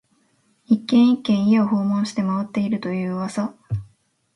一軒、一軒、家を訪問して回っていると言う噂